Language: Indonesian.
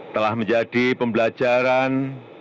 telah menjadi pembelajaran